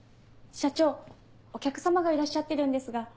社長お客様がいらっしゃってるんですが。